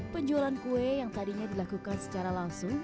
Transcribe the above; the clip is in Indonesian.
penjualan kue yang tadinya dilakukan secara langsung